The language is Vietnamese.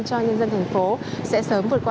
cho nhân dân thành phố sẽ sớm vượt qua